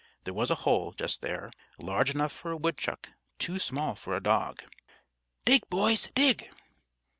There was a hole, just there, large enough for a woodchuck, but too small for a dog. "Dig, boys! Dig!"